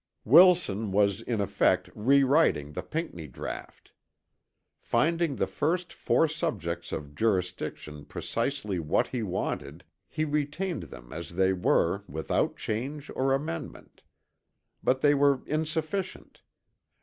Wilson was in effect rewriting the Pinckney draught. Finding the first four subjects of jurisdiction precisely what he wanted, he retained them as they were without change or amendment. But they were insufficient.